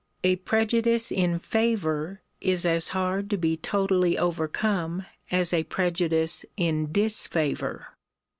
A prejudice in favour is as hard to be totally overcome as a prejudice in disfavour.